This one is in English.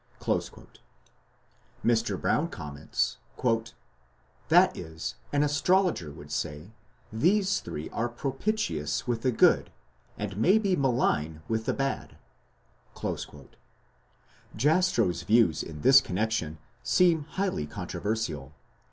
"That is," Mr. Brown comments, "an astrologer would say, these three are propitious with the good, and may be malign with the bad." Jastrow's views in this connection seem highly controversial.